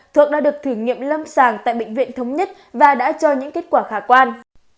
thuốc đã được thử nghiệm lâm sàng tại bệnh viện thống nhất và đã cho những kết quả khả quan